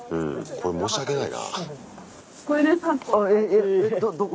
これ申し訳ないな。